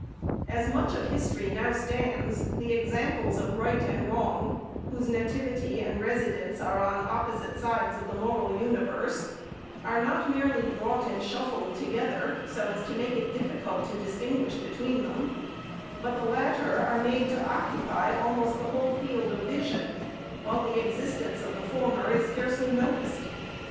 As much of history now stands, the examples of right and wrong, whose nativity and residence are on opposite sides of the moral universe, are not merely brought and shuffled together, so as to make it difficult to distinguish between them ; but the latter are made to occupy almost the whole field of vision, while the existence of the former is scarcely noticed.